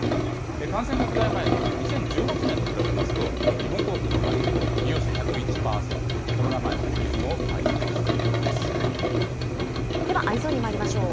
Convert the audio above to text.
感染拡大前の２０１８年と比べますと、日本航空の場合で利用者１０１％、コロナ前の水準を回復しではＥｙｅｓｏｎにまいりましょう。